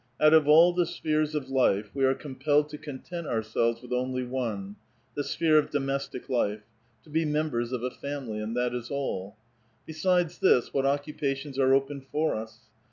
Out of all the spheres of life we are compelled to content ourselves with only one — the sphere of domestic life — to be members of a family ; and that is all. Besides this, what occupations are open for us